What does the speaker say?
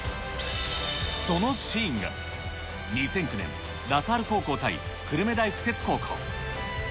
そのシーンが、２００９年、ラ・サール高校対、久留米大附設高校。